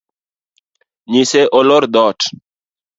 Nyise olor dhoot.